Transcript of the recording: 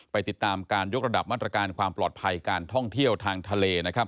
ติดตามการยกระดับมาตรการความปลอดภัยการท่องเที่ยวทางทะเลนะครับ